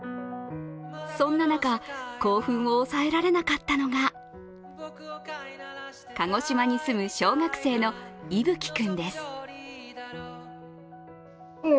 そんな中、興奮を抑えられなかったのが、鹿児島に住む小学生の一颯君。